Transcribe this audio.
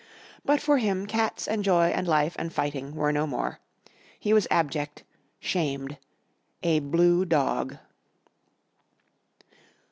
But for him cats and joy and life and fighting were no more. He was abject, shamed a blue dog.